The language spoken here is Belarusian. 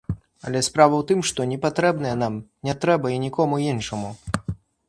Але справа ў тым, што непатрэбнае нам не трэба і нікому іншаму.